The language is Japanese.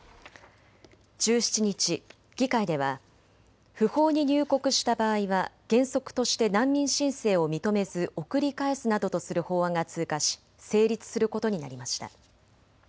１７日、議会では不法に入国した場合は原則として難民申請を認めず送り返すなどとする法案が通過し成立することになりました。